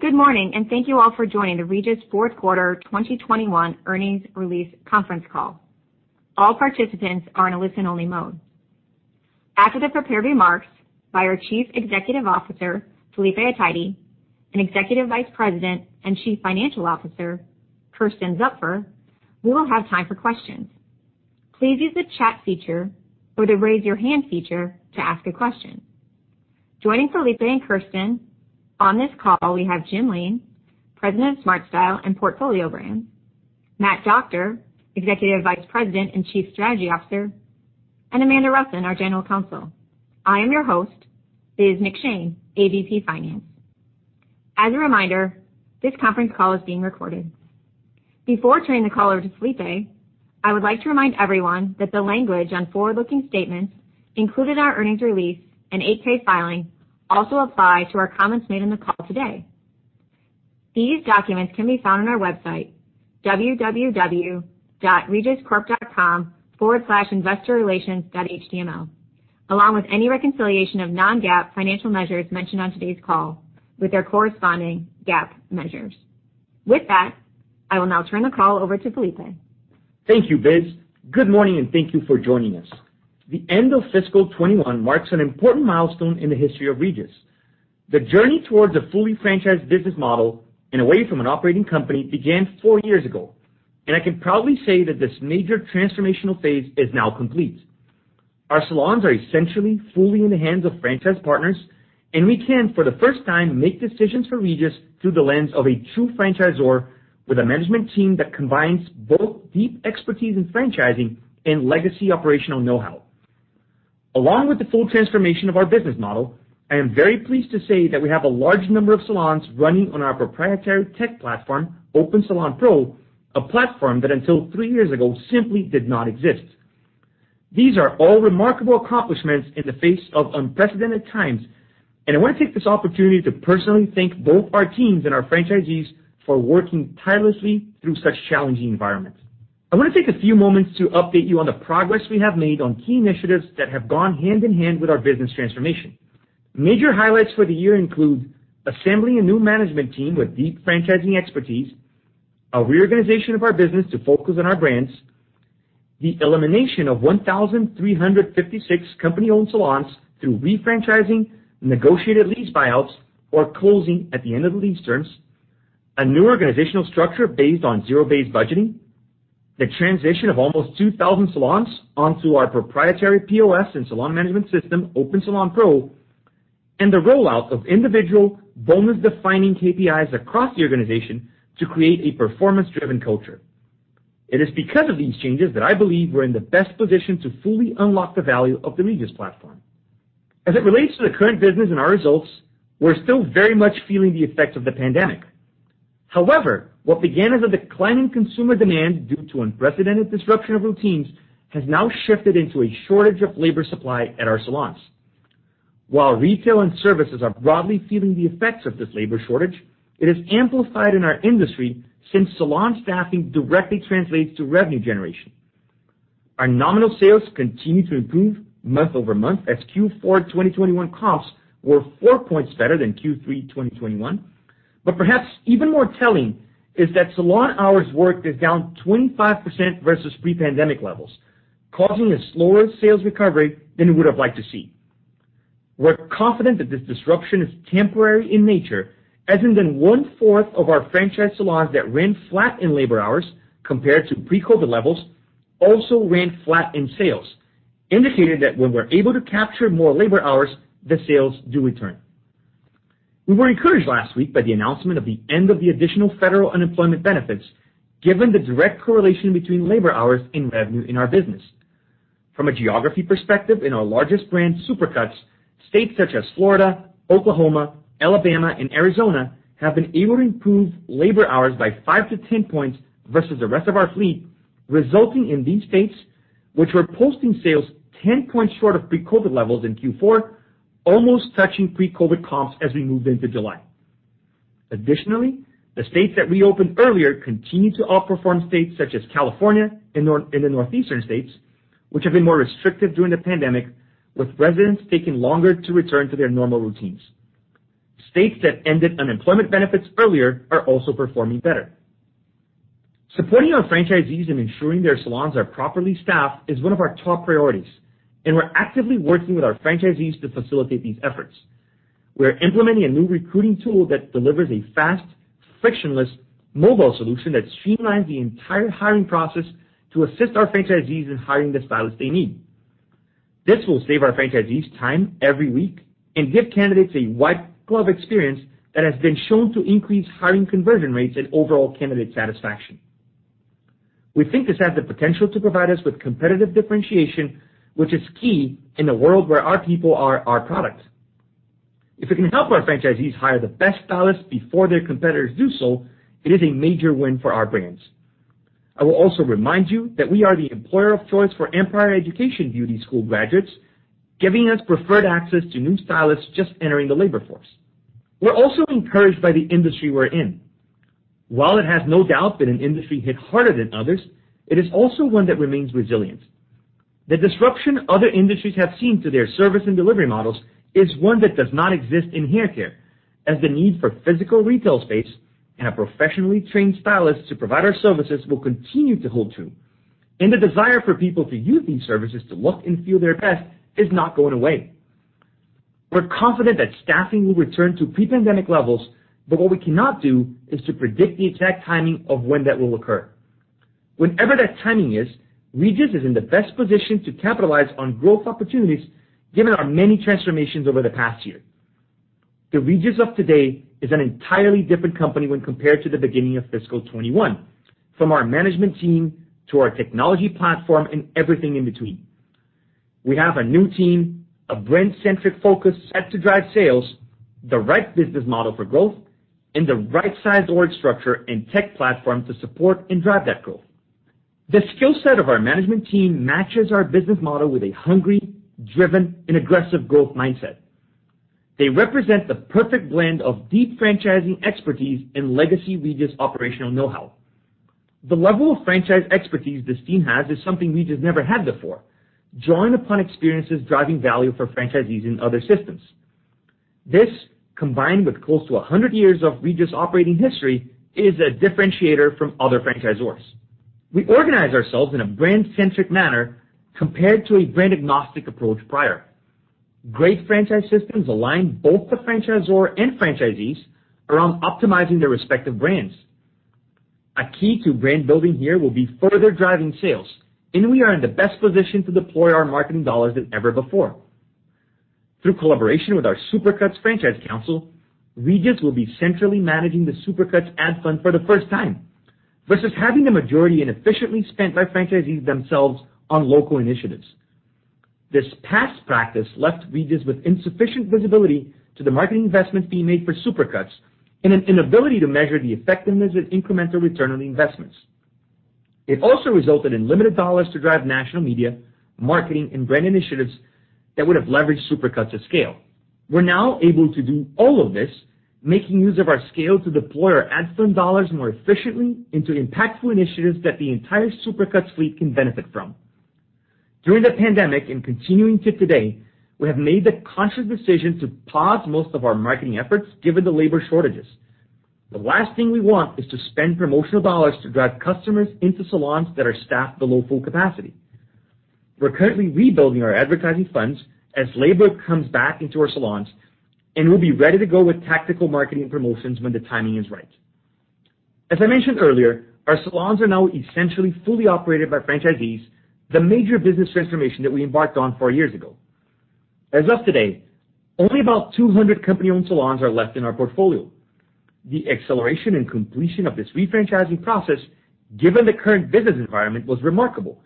Good morning, and thank you all for joining the Regis fourth quarter 2021 earnings release conference call. All participants are on a listen-only mode. After the prepared remarks by our Chief Executive Officer, Felipe Athayde, and Executive Vice President and Chief Financial Officer, Kersten Zupfer, we will have time for questions. Please use the chat feature or the raise your hand feature to ask a question. Joining Felipe and Kersten on this call, we have Jim Lain, President of SmartStyle and Portfolio Brands, Matthew Doctor, Executive Vice President and Chief Strategy Officer, and Amanda P. Rusin, our General Counsel. I am your host, Biz McShane, AVP, Finance. As a reminder, this conference call is being recorded. Before turning the call over to Felipe, I would like to remind everyone that the language on forward-looking statements included in our earnings release and 8-K filing, also apply to our comments made on the call today. These documents can be found on our website, www.regiscorp.com/investorrelations.html, along with any reconciliation of non-GAAP financial measures mentioned on today's call with their corresponding GAAP measures. With that, I will now turn the call over to Felipe. Thank you, Biz. Good morning, and thank you for joining us. The end of fiscal 2021 marks an important milestone in the history of Regis. The journey towards a fully franchised business model and away from an operating company began four years ago, I can proudly say that this major transformational phase is now complete. Our salons are essentially fully in the hands of franchise partners, and we can, for the first time, make decisions for Regis through the lens of a true franchisor with a management team that combines both deep expertise in franchising and legacy operational know-how. Along with the full transformation of our business model, I am very pleased to say that we have a large number of salons running on our proprietary tech platform, Opensalon Pro, a platform that until three years ago simply did not exist. These are all remarkable accomplishments in the face of unprecedented times, and I want to take this opportunity to personally thank both our teams and our franchisees for working tirelessly through such challenging environments. I want to take a few moments to update you on the progress we have made on key initiatives that have gone hand-in-hand with our business transformation. Major highlights for the year include assembling a new management team with deep franchising expertise, a reorganization of our business to focus on our brands, the elimination of 1,356 company-owned salons through re-franchising, negotiated lease buyouts, or closing at the end of the lease terms, a new organizational structure based on Zero-Based Budgeting, the transition of almost 2,000 salons onto our proprietary POS and salon management system, Opensalon Pro, and the rollout of individual bonus defining KPIs across the organization to create a performance-driven culture. It is because of these changes that I believe we're in the best position to fully unlock the value of the Regis platform. As it relates to the current business and our results, we're still very much feeling the effects of the pandemic. What began as a declining consumer demand due to unprecedented disruption of routines has now shifted into a shortage of labor supply at our salons. While retail and services are broadly feeling the effects of this labor shortage, it is amplified in our industry since salon staffing directly translates to revenue generation. Our nominal sales continue to improve month-over-month as Q4 2021 comps were 4 points better than Q3 2021. Perhaps even more telling is that salon hours worked is down 25% versus pre-pandemic levels, causing a slower sales recovery than we would have liked to see. We're confident that this disruption is temporary in nature, as in the 1/4 of our franchise salons that ran flat in labor hours compared to pre-COVID levels also ran flat in sales, indicating that when we're able to capture more labor hours, the sales do return. We were encouraged last week by the announcement of the end of the additional federal unemployment benefits, given the direct correlation between labor hours and revenue in our business. From a geography perspective in our largest brand, Supercuts, states such as Florida, Oklahoma, Alabama, and Arizona, have been able to improve labor hours by 5-10 points versus the rest of our fleet, resulting in these states, which were posting sales 10 points short of pre-COVID levels in Q4, almost touching pre-COVID comps as we move into July. The states that reopened earlier continue to outperform states such as California and the northeastern states, which have been more restrictive during the pandemic, with residents taking longer to return to their normal routines. States that ended unemployment benefits earlier are also performing better. Supporting our franchisees in ensuring their salons are properly staffed is one of our top priorities, and we're actively working with our franchisees to facilitate these efforts. We're implementing a new recruiting tool that delivers a fast, frictionless, mobile solution that streamlines the entire hiring process to assist our franchisees in hiring the stylists they need. This will save our franchisees time every week and give candidates a white-glove experience that has been shown to increase hiring conversion rates and overall candidate satisfaction. We think this has the potential to provide us with competitive differentiation, which is key in a world where our people are our product. If we can help our franchisees hire the best stylists before their competitors do so, it is a major win for our brands. I will also remind you that we are the employer of choice for Empire Education beauty school graduates, giving us preferred access to new stylists just entering the labor force. We're also encouraged by the industry we're in. While it has no doubt been an industry hit harder than others, it is also one that remains resilient. The disruption other industries have seen to their service and delivery models is one that does not exist in haircare, as the need for physical retail space and a professionally trained stylist to provide our services will continue to hold true, and the desire for people to use these services to look and feel their best is not going away. We're confident that staffing will return to pre-pandemic levels, but what we cannot do is to predict the exact timing of when that will occur. Whenever that timing is, Regis is in the best position to capitalize on growth opportunities, given our many transformations over the past year. The Regis of today is an entirely different company when compared to the beginning of fiscal 2021, from our management team to our technology platform and everything in between. We have a new team, a brand-centric focus set to drive sales, the right business model for growth, and the right size org structure and tech platform to support and drive that growth. The skill set of our management team matches our business model with a hungry, driven, and aggressive growth mindset. They represent the perfect blend of deep franchising expertise and legacy Regis operational know-how. The level of franchise expertise this team has is something Regis never had before, drawing upon experiences driving value for franchisees in other systems. This, combined with close to 100 years of Regis operating history, is a differentiator from other franchisors. We organize ourselves in a brand-centric manner compared to a brand-agnostic approach prior. Great franchise systems align both the franchisor and franchisees around optimizing their respective brands. A key to brand building here will be further driving sales, and we are in the best position to deploy our marketing dollars than ever before. Through collaboration with our Supercuts Franchise Council, Regis will be centrally managing the Supercuts ad fund for the first time versus having the majority inefficiently spent by franchisees themselves on local initiatives. This past practice left Regis with insufficient visibility to the marketing investments being made for Supercuts and an inability to measure the effectiveness of incremental return on the investments. It also resulted in limited dollars to drive national media, marketing, and brand initiatives that would have leveraged Supercuts at scale. We're now able to do all of this, making use of our scale to deploy our ad spend dollars more efficiently into impactful initiatives that the entire Supercuts fleet can benefit from. During the pandemic and continuing to today, we have made the conscious decision to pause most of our marketing efforts given the labor shortages. The last thing we want is to spend promotional dollars to drive customers into salons that are staffed below full capacity. We're currently rebuilding our advertising funds as labor comes back into our salons, and we'll be ready to go with tactical marketing promotions when the timing is right. As I mentioned earlier, our salons are now essentially fully operated by franchisees, the major business transformation that we embarked on four years ago. As of today, only about 200 company-owned salons are left in our portfolio. The acceleration and completion of this refranchising process, given the current business environment, was remarkable,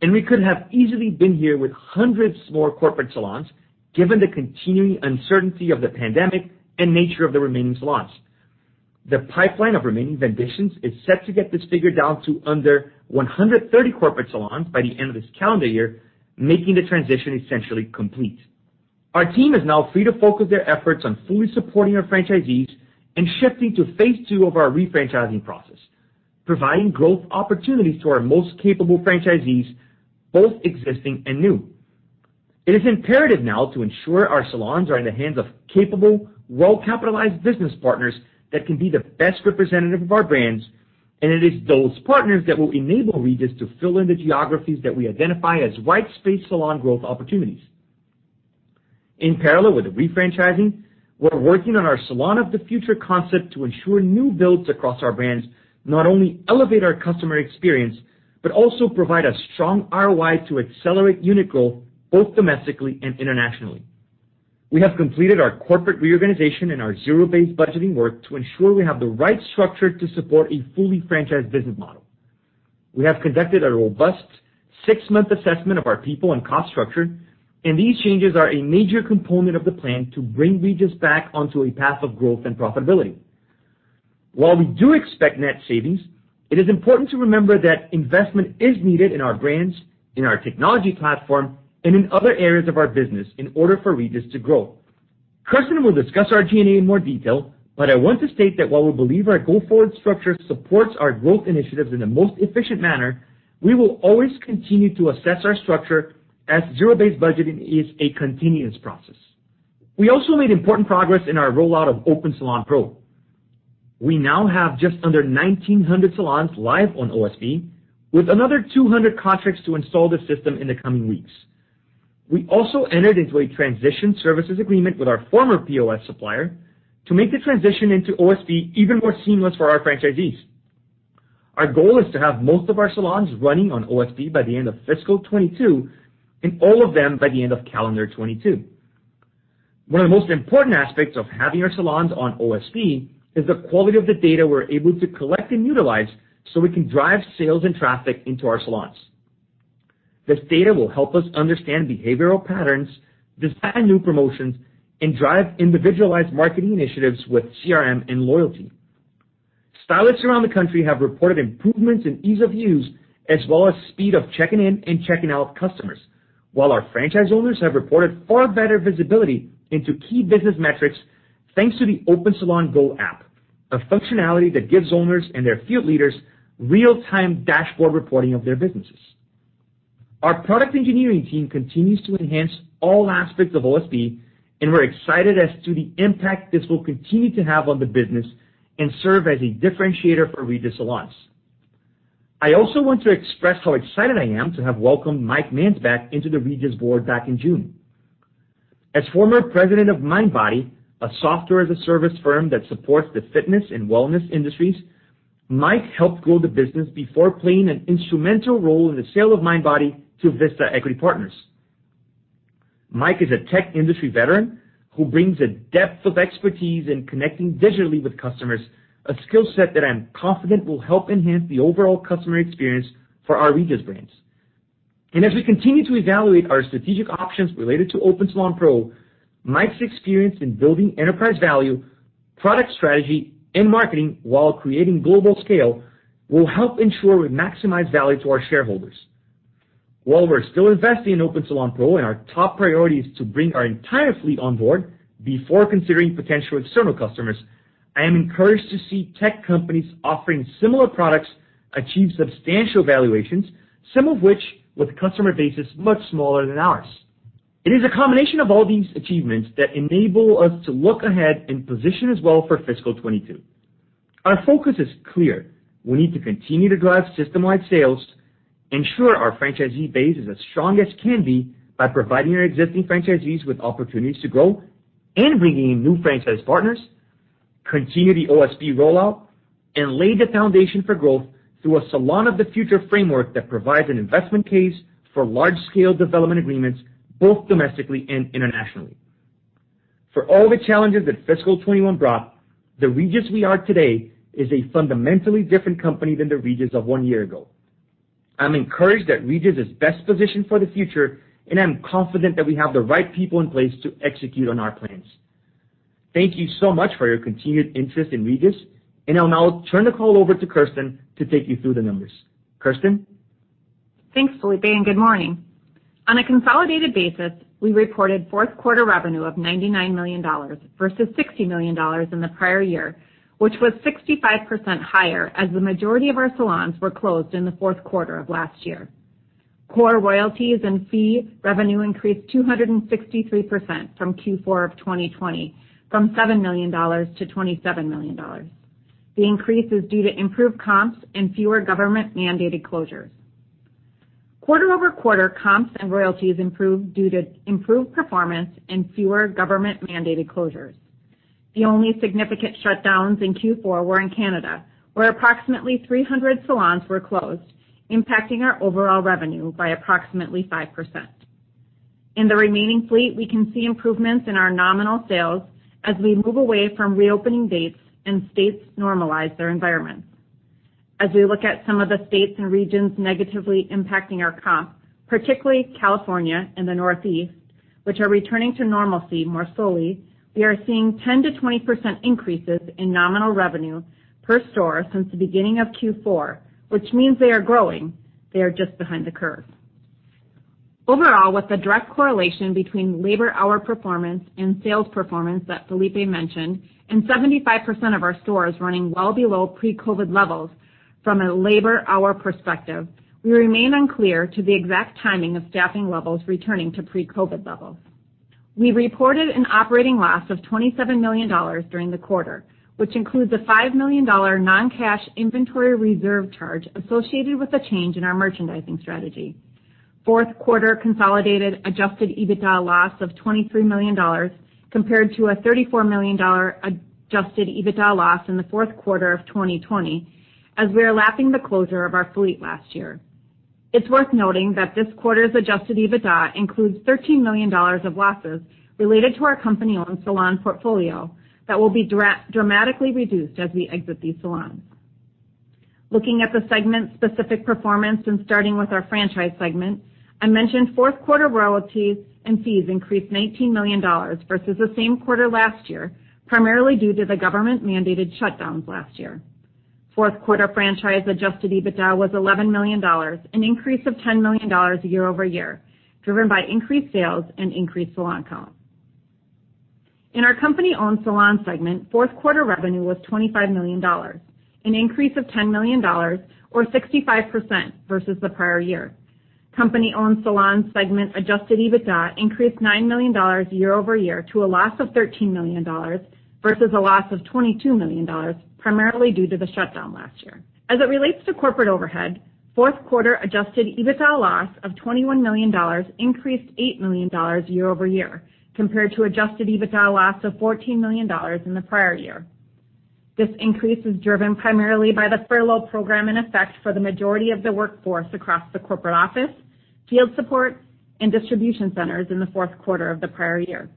and we could have easily been here with hundreds more corporate salons, given the continuing uncertainty of the pandemic and nature of the remaining salons. The pipeline of remaining venditions is set to get this figure down to under 130 corporate salons by the end of this calendar year, making the transition essentially complete. Our team is now free to focus their efforts on fully supporting our franchisees and shifting to phase II of our refranchising process, providing growth opportunities to our most capable franchisees, both existing and new. It is imperative now to ensure our salons are in the hands of capable, well-capitalized business partners that can be the best representative of our brands, and it is those partners that will enable Regis to fill in the geographies that we identify as white space salon growth opportunities. In parallel with the refranchising, we're working on our Salon of the Future concept to ensure new builds across our brands not only elevate our customer experience but also provide a strong ROI to accelerate unit growth both domestically and internationally. We have completed our corporate reorganization and our zero-based budgeting work to ensure we have the right structure to support a fully franchised business model. These changes are a major component of the plan to bring Regis back onto a path of growth and profitability. While we do expect net savings, it is important to remember that investment is needed in our brands, in our technology platform, and in other areas of our business in order for Regis to grow. Kersten will discuss our G&A in more detail, but I want to state that while we believe our go-forward structure supports our growth initiatives in the most efficient manner, we will always continue to assess our structure, as Zero-Based Budgeting is a continuous process. We also made important progress in our rollout of Opensalon Pro. We now have just under 1,900 salons live on OSP, with another 200 contracts to install the system in the coming weeks. We also entered into a transition services agreement with our former POS supplier to make the transition into OSP even more seamless for our franchisees. Our goal is to have most of our salons running on OSP by the end of fiscal 2022 and all of them by the end of calendar 2022. One of the most important aspects of having our salons on OSP is the quality of the data we're able to collect and utilize so we can drive sales and traffic into our salons. This data will help us understand behavioral patterns, design new promotions, and drive individualized marketing initiatives with CRM and loyalty. Stylists around the country have reported improvements in ease of use as well as speed of checking in and checking out customers. Our franchise owners have reported far better visibility into key business metrics, thanks to the Opensalon Go app, a functionality that gives owners and their field leaders real-time dashboard reporting of their businesses. Our product engineering team continues to enhance all aspects of OSP, and we're excited as to the impact this will continue to have on the business and serve as a differentiator for Regis salons. I also want to express how excited I am to have welcomed Mike Mansbach back into the Regis board back in June. As former president of Mindbody, a software as a service firm that supports the fitness and wellness industries, Mike helped grow the business before playing an instrumental role in the sale of Mindbody to Vista Equity Partners. Mike is a tech industry veteran who brings a depth of expertise in connecting digitally with customers, a skill set that I'm confident will help enhance the overall customer experience for our Regis brands. As we continue to evaluate our strategic options related to Opensalon Pro, Mike's experience in building enterprise value, product strategy, and marketing while creating global scale will help ensure we maximize value to our shareholders. While we're still investing in Opensalon Pro and our top priority is to bring our entire fleet on board before considering potential external customers, I am encouraged to see tech companies offering similar products achieve substantial valuations, some of which with customer bases much smaller than ours. It is a combination of all these achievements that enable us to look ahead and position us well for fiscal 2022. Our focus is clear. We need to continue to drive system-wide sales, ensure our franchisee base is as strong as can be by providing our existing franchisees with opportunities to grow and bringing in new franchise partners, continue the OSP rollout, and lay the foundation for growth through a Salon of the Future framework that provides an investment case for large-scale development agreements, both domestically and internationally. For all the challenges that fiscal 2021 brought, the Regis we are today is a fundamentally different company than the Regis of one year ago. I'm encouraged that Regis is best positioned for the future, and I'm confident that we have the right people in place to execute on our plans. Thank you so much for your continued interest in Regis, and I'll now turn the call over to Kersten to take you through the numbers. Kersten? Thanks, Felipe. Good morning. On a consolidated basis, we reported fourth quarter revenue of $99 million versus $60 million in the prior year, which was 65% higher as the majority of our salons were closed in the fourth quarter of last year. Core royalties and fee revenue increased 263% from Q4 of 2020, from $7 million to $27 million. The increase is due to improved comps and fewer government-mandated closures. Quarter-over-quarter comps and royalties improved due to improved performance and fewer government-mandated closures. The only significant shutdowns in Q4 were in Canada, where approximately 300 salons were closed, impacting our overall revenue by approximately 5%. In the remaining fleet, we can see improvements in our nominal sales as we move away from reopening dates and states normalize their environments. As we look at some of the states and regions negatively impacting our comps, particularly California and the Northeast, which are returning to normalcy more slowly, we are seeing 10%-20% increases in nominal revenue per store since the beginning of Q4, which means they are growing. They are just behind the curve. Overall, with the direct correlation between labor hour performance and sales performance that Felipe mentioned, and 75% of our stores running well below pre-COVID levels from a labor hour perspective, we remain unclear to the exact timing of staffing levels returning to pre-COVID levels. We reported an operating loss of $27 million during the quarter, which includes a $5 million non-cash inventory reserve charge associated with the change in our merchandising strategy. Fourth quarter consolidated adjusted EBITDA loss of $23 million compared to a $34 million adjusted EBITDA loss in the fourth quarter of 2020, as we are lapping the closure of our fleet last year. It's worth noting that this quarter's adjusted EBITDA includes $13 million of losses related to our company-owned salon portfolio that will be dramatically reduced as we exit these salons. Looking at the segment-specific performance and starting with our franchise segment, I mentioned fourth quarter royalties and fees increased $19 million versus the same quarter last year, primarily due to the government-mandated shutdowns last year. Fourth quarter franchise adjusted EBITDA was $11 million, an increase of $10 million year-over-year, driven by increased sales and increased salon count. In our company-owned salon segment, fourth quarter revenue was $25 million, an increase of $10 million or 65% versus the prior year. Company-owned Salon Segment adjusted EBITDA increased $9 million year-over-year to a loss of $13 million, versus a loss of $22 million, primarily due to the shutdown last year. As it relates to corporate overhead, fourth quarter adjusted EBITDA loss of $21 million increased $8 million year-over-year, compared to adjusted EBITDA loss of $14 million in the prior year. This increase is driven primarily by the furlough program in effect for the majority of the workforce across the corporate office, field support, and distribution centers in the fourth quarter of the prior year.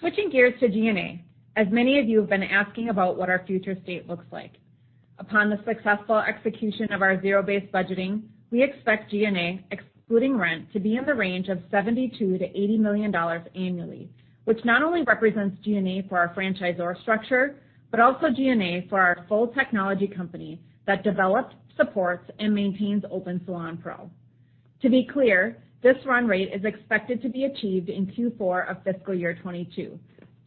Switching gears to G&A. As many of you have been asking about what our future state looks like. Upon the successful execution of our Zero-Based Budgeting, we expect G&A, excluding rent, to be in the range of $72 million-$80 million annually, which not only represents G&A for our franchisor structure, but also G&A for our full technology company that develops, supports, and maintains Opensalon Pro. To be clear, this run rate is expected to be achieved in Q4 of fiscal year 2022,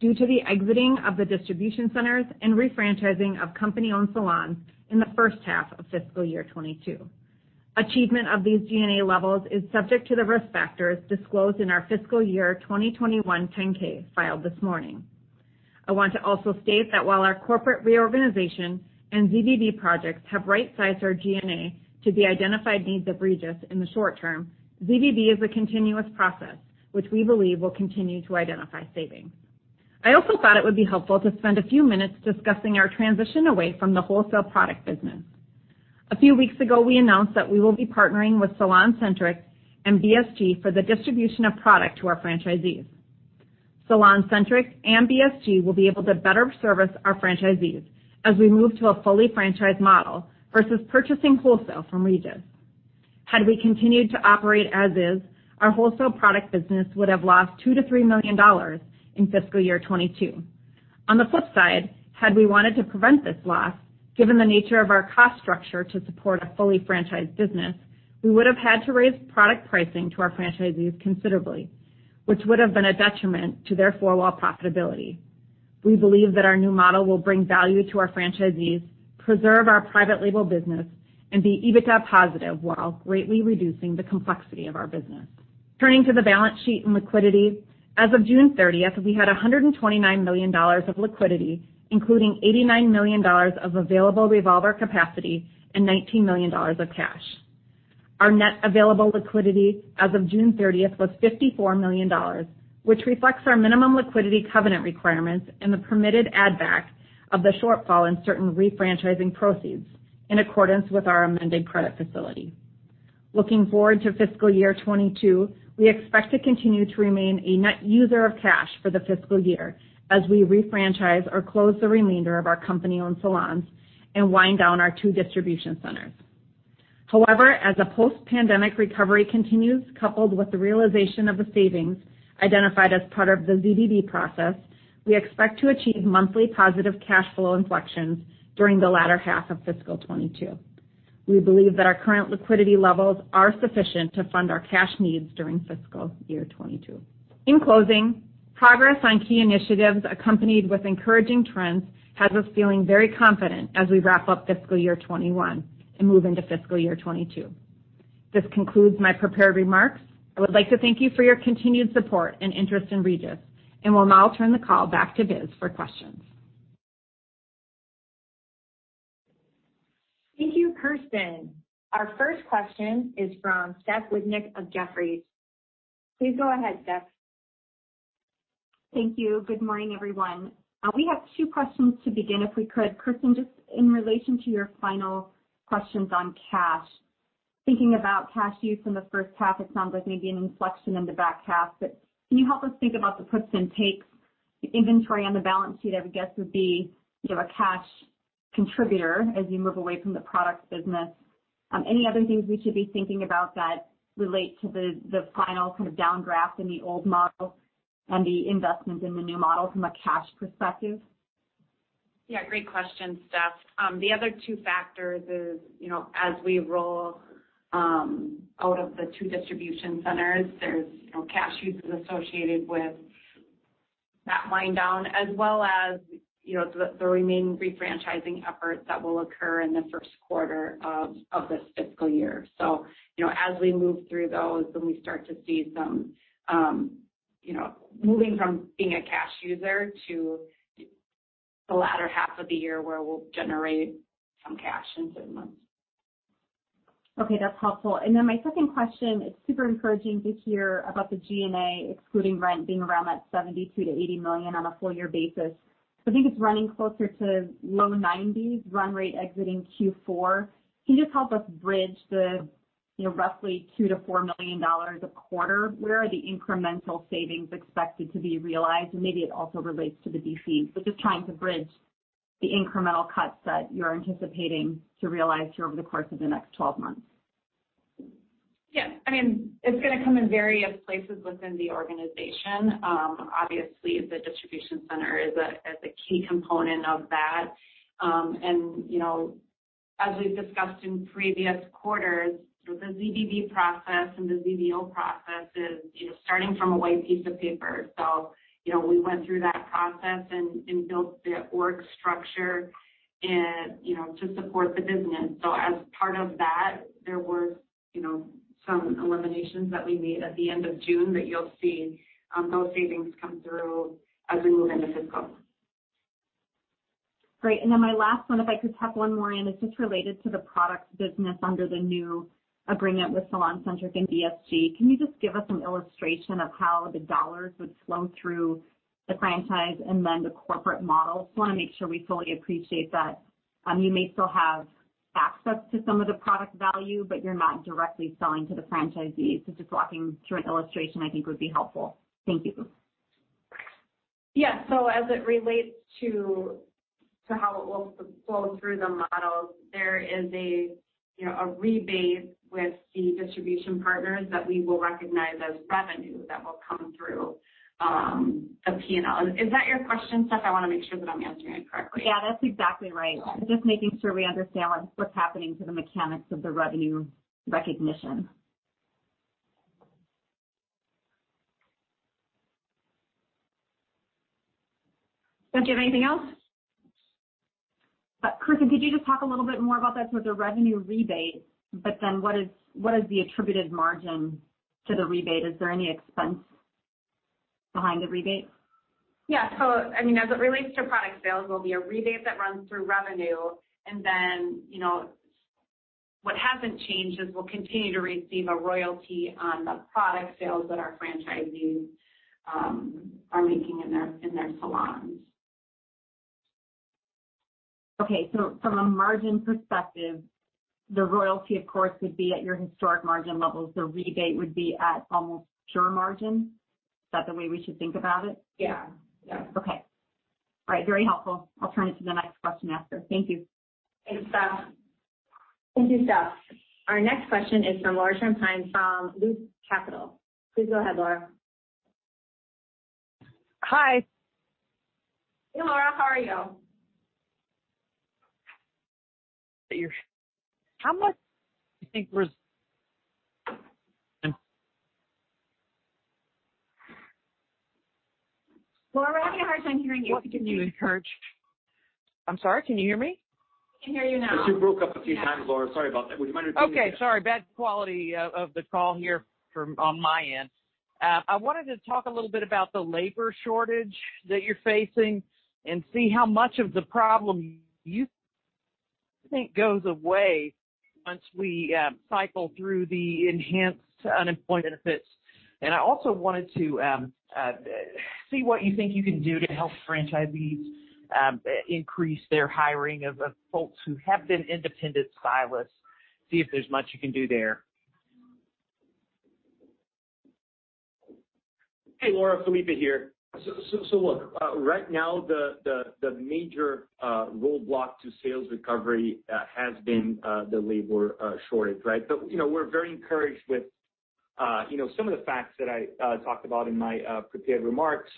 due to the exiting of the distribution centers and re-franchising of company-owned salons in the first half of fiscal year 2022. Achievement of these G&A levels is subject to the risk factors disclosed in our fiscal year 2021 Form 10-K filed this morning. I want to also state that while our corporate reorganization and ZBB projects have right-sized our G&A to the identified needs of Regis in the short term, ZBB is a continuous process which we believe will continue to identify savings. I also thought it would be helpful to spend a few minutes discussing our transition away from the wholesale product business. A few weeks ago, we announced that we will be partnering with SalonCentric and BSG for the distribution of product to our franchisees. SalonCentric and BSG will be able to better service our franchisees as we move to a fully franchised model versus purchasing wholesale from Regis. Had we continued to operate as is, our wholesale product business would have lost $2 million-$3 million in fiscal year 2022. On the flip side, had we wanted to prevent this loss, given the nature of our cost structure to support a fully franchised business, we would have had to raise product pricing to our franchisees considerably, which would have been a detriment to their four-wall profitability. We believe that our new model will bring value to our franchisees, preserve our private label business, and be EBITDA positive while greatly reducing the complexity of our business. Turning to the balance sheet and liquidity, as of June 30th, we had $129 million of liquidity, including $89 million of available revolver capacity and $19 million of cash. Our net available liquidity as of June 30th was $54 million, which reflects our minimum liquidity covenant requirements and the permitted add back of the shortfall in certain re-franchising proceeds, in accordance with our amended credit facility. Looking forward to fiscal year 2022, we expect to continue to remain a net user of cash for the fiscal year as we re-franchise or close the remainder of our company-owned salons and wind down our two distribution centers. As a post-pandemic recovery continues, coupled with the realization of the savings identified as part of the ZBB process, we expect to achieve monthly positive cash flow inflections during the latter half of fiscal 2022. We believe that our current liquidity levels are sufficient to fund our cash needs during fiscal year 2022. In closing, progress on key initiatives accompanied with encouraging trends has us feeling very confident as we wrap up fiscal year 2021 and move into fiscal year 2022. This concludes my prepared remarks. I would like to thank you for your continued support and interest in Regis, and will now turn the call back to Biz for questions. Thank you, Kersten. Our first question is from Steph Wissink of Jefferies. Please go ahead, Steph. Thank you. Good morning, everyone. We have two questions to begin, if we could. Kersten, just in relation to your final questions on cash, thinking about cash use in the first half, it sounds like maybe an inflection in the back half. Can you help us think about the puts and takes? The inventory on the balance sheet, I would guess, would be a cash contributor as you move away from the product business. Any other things we should be thinking about that relate to the final kind of downdraft in the old model and the investment in the new model from a cash perspective? Yeah, great question, Steph. The other two factors is, as we roll out of the two distribution centers, there's cash uses associated with that wind down, as well as the remaining re-franchising efforts that will occur in the first quarter of this fiscal year. As we move through those, then we start to see some, moving from being a cash user to the latter half of the year, where we'll generate some cash in certain months. That's helpful. My second question, it's super encouraging to hear about the G&A, excluding rent, being around that $72 million-$80 million on a full year basis. I think it's running closer to low 90s run rate exiting Q4. Can you just help us bridge the roughly $2 million-$4 million a quarter? Where are the incremental savings expected to be realized? Maybe it also relates to the D.C., but just trying to bridge the incremental cuts that you're anticipating to realize here over the course of the next 12 months. Yeah. It's going to come in various places within the organization. Obviously, the distribution center is a key component of that. As we've discussed in previous quarters, the ZBB process is starting from a white piece of paper. We went through that process and built the org structure to support the business. As part of that, there were some eliminations that we made at the end of June that you'll see those savings come through as we move into fiscal. Great. Then my last one, if I could tuck one more in, is just related to the product business under the new agreement with SalonCentric and BSG. Can you just give us an illustration of how the dollars would flow through the franchise and then the corporate model? Just want to make sure we fully appreciate that you may still have access to some of the product value, but you're not directly selling to the franchisees. Just walking through an illustration, I think would be helpful. Thank you. Yeah. As it relates to how it will flow through the models, there is a rebate with the distribution partners that we will recognize as revenue that will come through. Of P&L. Is that your question, Steph? I want to make sure that I'm answering it correctly. Yeah, that's exactly right. Just making sure we understand what's happening to the mechanics of the revenue recognition. Steph, do you have anything else? Kersten, could you just talk a little bit more about this with the revenue rebate, but then what is the attributed margin to the rebate? Is there any expense behind the rebate? Yeah. As it relates to product sales, there'll be a rebate that runs through revenue and then, what hasn't changed is we'll continue to receive a royalty on the product sales that our franchisees are making in their salons. Okay. From a margin perspective, the royalty, of course, would be at your historic margin levels. The rebate would be at almost pure margin. Is that the way we should think about it? Yeah. Okay. All right. Very helpful. I'll turn it to the next question after. Thank you. Thanks, Steph. Thank you, Steph. Our next question is from Laura Champine from Loop Capital. Please go ahead, Laura. Hi. Hey, Laura. How are you? How much do you think? Laura, we're having a hard time hearing you. I'm sorry, can you hear me? We can hear you now. Yes, you broke up a few times, Laura. Sorry about that. Would you mind repeating again? Okay. Sorry, bad quality of the call here on my end. I wanted to talk a little bit about the labor shortage that you're facing and see how much of the problem you think goes away once we cycle through the enhanced unemployment benefits. I also wanted to see what you think you can do to help franchisees increase their hiring of folks who have been independent stylists. See if there's much you can do there. Hey, Laura. Felipe here. Look, right now, the major roadblock to sales recovery has been the labor shortage, right? We're very encouraged with some of the facts that I talked about in my prepared remarks.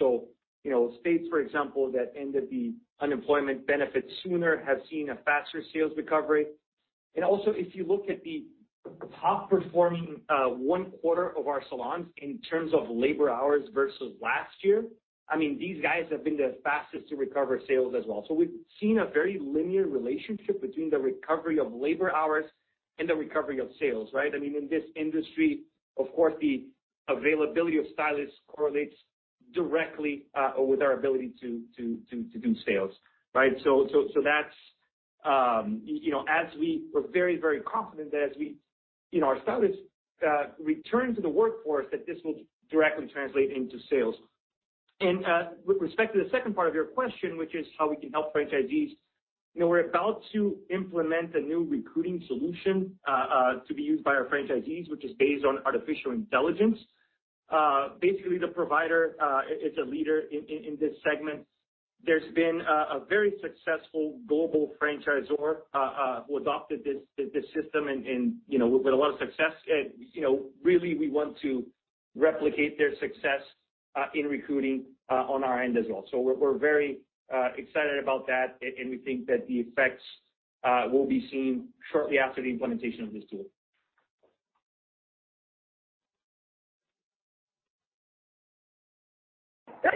States, for example, that ended the unemployment benefits sooner have seen a faster sales recovery. Also, if you look at the top performing one quarter of our salons in terms of labor hours versus last year, these guys have been the fastest to recover sales as well. We've seen a very linear relationship between the recovery of labor hours and the recovery of sales, right? In this industry, of course, the availability of stylists correlates directly with our ability to do sales, right? We're very confident that as our stylists return to the workforce, that this will directly translate into sales. With respect to the second part of your question, which is how we can help franchisees, we're about to implement a new recruiting solution to be used by our franchisees, which is based on artificial intelligence. Basically, the provider, it's a leader in this segment. There's been a very successful global franchisor who adopted this system and with a lot of success. Really, we want to replicate their success in recruiting on our end as well. We're very excited about that, and we think that the effects will be seen shortly after the implementation of this tool. Hey,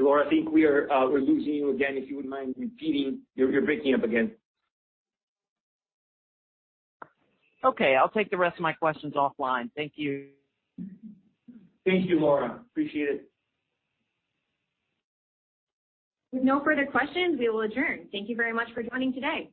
Laura. I think we're losing you again. If you wouldn't mind repeating. You're breaking up again. Okay, I'll take the rest of my questions offline. Thank you. Thank you, Laura. Appreciate it. With no further questions, we will adjourn. Thank you very much for joining today.